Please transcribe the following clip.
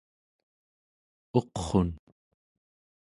uqrun²